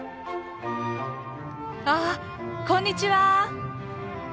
あこんにちは！